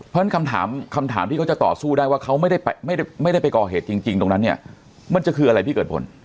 เพราะฉะนั้นคำถามคำถามที่เขาจะต่อสู้ได้ว่าเขาไม่ได้ไปก่อเหตุจริงตรงนั้นเนี่ยมันจะคืออะไรพี่เกิดผล